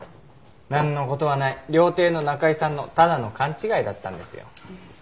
なんの事はない料亭の仲居さんのただの勘違いだったんですよ。